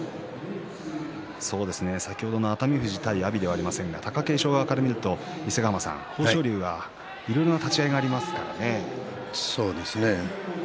先ほどの熱海富士対阿炎ではありませんが貴景勝側から見ると豊昇龍にはいろいろな立ち合いがそうですね。